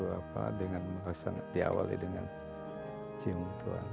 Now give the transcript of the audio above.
bapak dengan mengaksanati awalnya dengan cium tuan